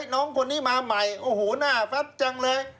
น้องคนนี้มาใหม่โอ้โหหน้าฟัดจังเลย